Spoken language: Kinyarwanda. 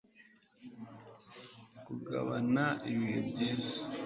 kugabana ibihe byiza